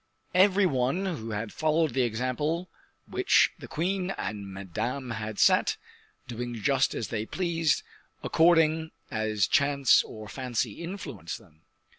Every one had followed the example which the queen and Madame had set, doing just as they pleased, according as chance or fancy influenced them.